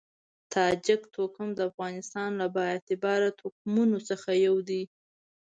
تاجک توکم د افغانستان له با اعتباره توکمونو څخه یو دی.